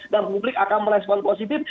dan publik akan melespon positif